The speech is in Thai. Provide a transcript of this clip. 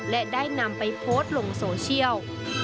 และได้นำไปโพสต์ลงโซเชียล